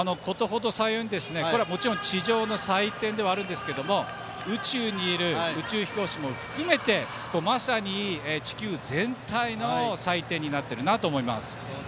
もちろん地上の祭典ではあるんですけど宇宙にいる宇宙飛行士も含めてまさに地球全体の祭典になっていると思います。